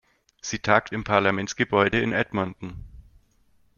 Sie tagt im Parlamentsgebäude in Edmonton.